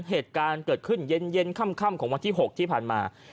เหตุการณ์เกิดขึ้นเย็นค่ำของวันที่๖ที่ผ่านมา